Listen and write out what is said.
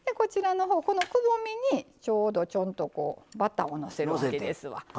このくぼみにちょうどちょんとバターをのせるわけですわ。